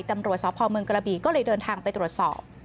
ตำรวจสพเมืองกระบีก็เลยเดินทางไปตรวจสอบ